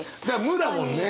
無だもんね！